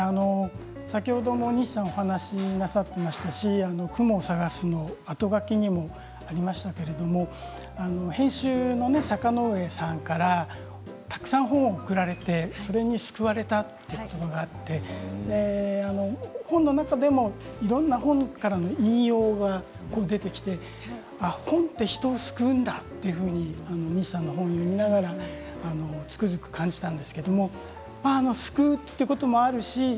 先ほども西さんがお話しなさっていましたし「くもをさがす」のあとがきにもありましたけれども編集の坂上さんからたくさん本を贈られて、それに救われたということがあって本の中でも、いろいろな本からの引用が出てきて本って人を救うんだというふうに西さんの本を読みながらつくづく感じたんですけれども救うということもあるし